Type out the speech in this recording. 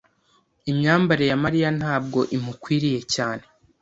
Imyambarire ya Mariya ntabwo imukwiriye cyane.